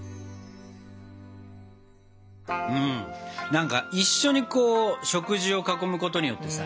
何か一緒に食事を囲むことによってさ